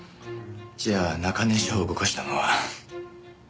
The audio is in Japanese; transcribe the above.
じゃあ中根署を動かしたのは。